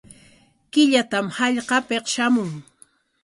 Killatam hallqapik shamun.